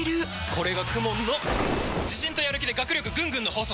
これがＫＵＭＯＮの自信とやる気で学力ぐんぐんの法則！